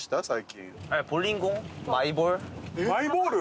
マイボール？